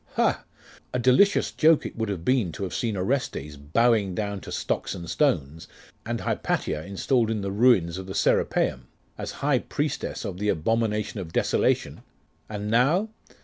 ha! A delicious joke it would have been to have seen Orestes bowing down to stocks and stones, and Hypatia installed in the ruins of the Serapeium, as High Priestess of the Abomination of Desolation!. And now....